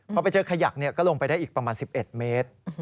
พอไปเจอขยักก็ลงไปได้อีกประมาณ๑๑เมตร